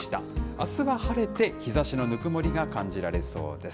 あすは晴れて、日ざしのぬくもりが感じられそうです。